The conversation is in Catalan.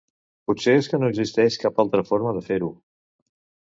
Potser és que no existeix cap altra forma de fer-ho.